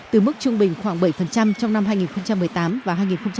từ mức trung bình khoảng bảy trong năm hai nghìn một mươi tám và hai nghìn một mươi chín